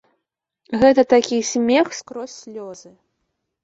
Гэта такі смех скрозь слёзы.